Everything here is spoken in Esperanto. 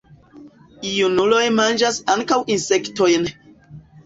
Junuloj manĝas ankaŭ insektojn.